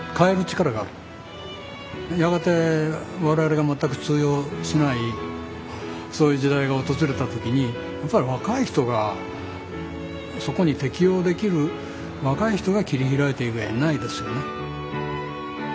やがて我々が全く通用しないそういう時代が訪れた時にやっぱり若い人がそこに適応できる若い人が切り開いていく以外にないですよね。